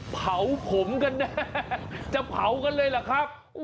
เผาผมกันแน่จะเผากันเลยเหรอครับ